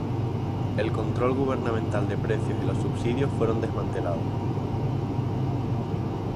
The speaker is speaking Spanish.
El control gubernamental de precios y los subsidios fueron desmantelados.